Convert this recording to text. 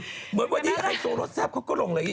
เหมือนวันนี้ไฮโซรสแซ่บเขาก็ลงเลย